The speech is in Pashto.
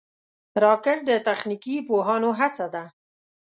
راکټ د تخنیکي پوهانو هڅه ده